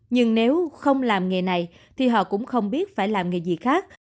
nhưng nếu không làm nghề này thì họ cũng không biết phải làm nghề gì khác